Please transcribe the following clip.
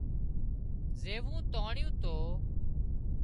زيوون تانڻيون تو